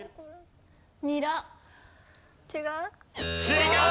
違う？